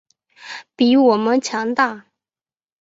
比我们强大